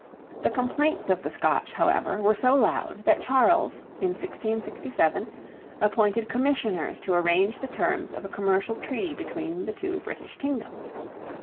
The complaints of the Scotch, however, were so loud that Charles, in 1667, appointed Commissioners to arrange the terms of a commercial treaty between the two British kingdoms.